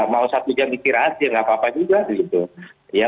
mau satu jam istirahat ya nggak apa apa juga begitu